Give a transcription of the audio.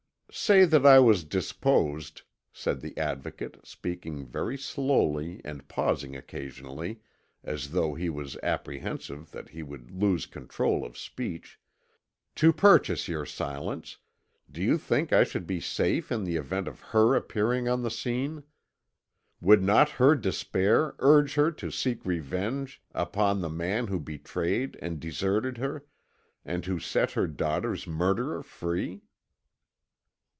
"Say that I was disposed," said the Advocate, speaking very slowly, and pausing occasionally, as though he was apprehensive that he would lose control of speech, "to purchase your silence, do you think I should be safe in the event of her appearing on the scene? Would not her despair urge her to seek revenge upon the man who betrayed and deserted her, and who set her daughter's murderer free?"